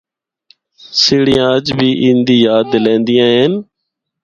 سیڑھیاں اجّ بھی ان دی یاد دلیندیاں ہن۔